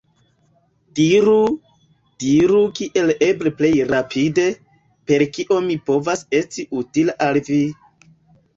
Diru, diru kiel eble plej rapide, per kio mi povas esti utila al vi!